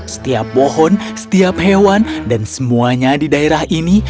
setiap pohon setiap hewan dan semuanya di daerah ini